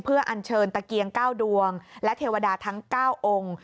เพื่ออัญเชิญตะเกียง๙ดวงและเทวดาทั้ง๙องค์